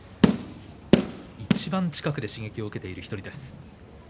いちばん近くで刺激を受けている１人です。